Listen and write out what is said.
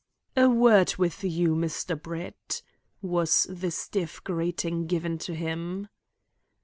"A word with you, Mr. Brett," was the stiff greeting given to him.